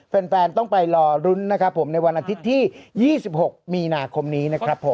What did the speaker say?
แฟนแฟนต้องไปหล่อรุ้นนะครับผมในวันอาทิตย์ที่ยี่สิบหกมีนาคมนี้นะครับผม